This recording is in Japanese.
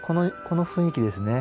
この雰囲気ですね。